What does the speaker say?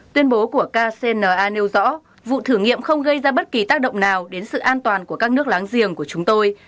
tuyên bố của kcna nêu rõ vụ thử nghiệm không gây ra bất kỳ tác động nào đến sự an toàn của các nước láng giềng của chúng tôi